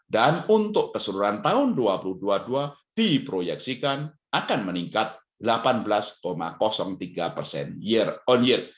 dan untuk keseluruhan tahun dua ribu dua puluh dua diproyeksikan akan meningkat delapan belas tiga year on year